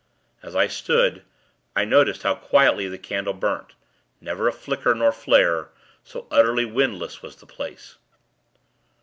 As I stood, I noticed how quietly the candle burnt; never a flicker nor flare, so utterly windless was the place.